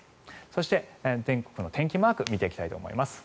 そして、全国の天気マーク見ていきたいと思います。